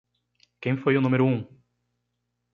Quem foi o número um?